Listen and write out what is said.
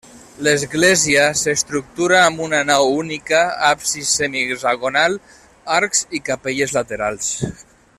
L'església s'estructura amb una nau única, absis semi hexagonal, arcs i capelles laterals.